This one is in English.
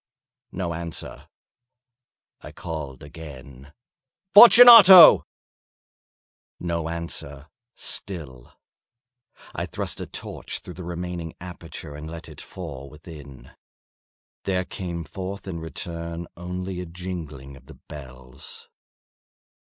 No answer. I called again— "Fortunato!" No answer still. I thrust a torch through the remaining aperture and let it fall within. There came forth in return only a jingling of the bells.